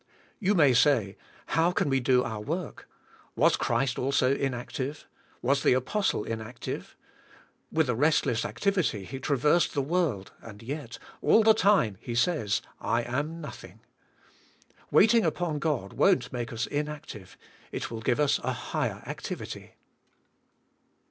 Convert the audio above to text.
You may say, How can we do our work ? Was Christ also inactive ? Was the Apostle inactive ? With a restless activity he trav ersed the world, and yet, all the time, he says, "I am nothing." Waiting upon God won't make us in active. It will give us a higher activity.